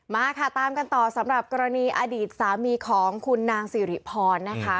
มาค่ะตามกันต่อสำหรับกรณีอดีตสามีของคุณนางสิริพรนะคะ